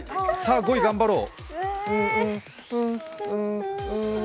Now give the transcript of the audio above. ５位頑張ろう。